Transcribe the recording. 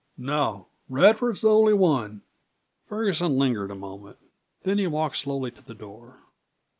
"No. Radford's the only one." Ferguson lingered a moment. Then he walked slowly to the door.